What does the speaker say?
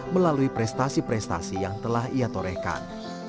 melalui prestasi prestasi yang telah ia torehkan